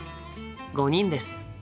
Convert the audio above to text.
５人です。